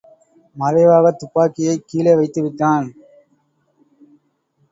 மறைவாகத்துப்பாக்கியைக் கீழே வைத்துவிட்டான்.